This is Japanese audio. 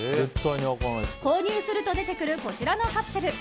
購入すると出てくるこちらのカプセル。